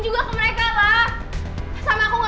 cukup mel kamu sudah bikin ulah